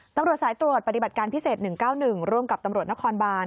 ตำรวจสายตรวจปฏิบัติการพิเศษ๑๙๑ร่วมกับตำรวจนครบาน